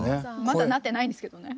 まだなってないんですけどね。